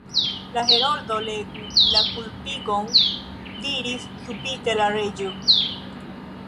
"La Heroldo legu la kulpigon," diris subite la Reĝo.